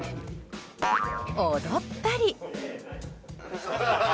踊ったり！